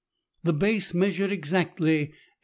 The base measured exactly 8037.